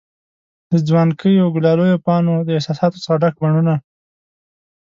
د ځوانکیو، ګلالیو پانو د احساساتو څخه ډک بڼوڼه